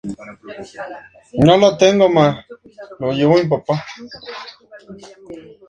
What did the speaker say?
Melee" en sus competencias, premios y "rankings".